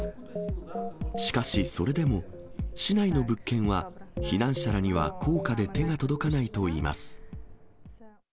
しかし、それでも市内の物件は避難者らには高価で手が届かないといいます。